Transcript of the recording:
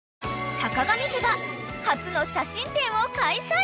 ［さかがみ家が初の写真展を開催］